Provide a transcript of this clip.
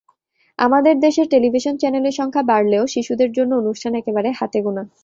আমাদের দেশের টেলিভিশন চ্যানেলের সংখ্যা বাড়লেও শিশুদের জন্য অনুষ্ঠান একবারে হাতে গোনা।